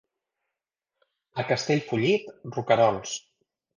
A Castellfollit, roquerols.